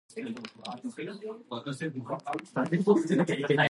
In Tunis Olivia worked miracles and began to convert the pagans.